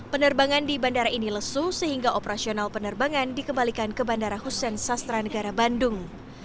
penerbangan di bandara ini lesu sehingga operasional penerbangan dikembalikan ke bandara hussein sastra negara bandung